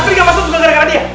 itu gara gara dia